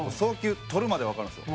捕るまではわかるんですよ。